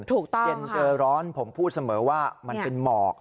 ถูกต้องค่ะเย็นเจอร้อนผมพูดเสมอว่ามันเป็นหมอก